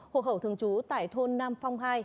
hộ khẩu thường trú tại thôn nam phong hai